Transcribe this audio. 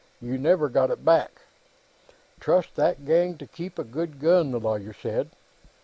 You never got it back." "Trust that gang to keep a good gun," the lawyer said.